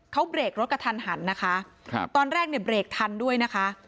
เขาเบรกรถกระทันหันนะคะครับตอนแรกเนี่ยเบรกทันด้วยนะคะ